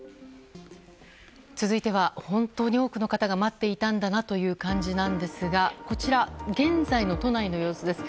続いては、本当に多くの方が待っていたんだなという感じなんですがこちら、現在の都内の様子です。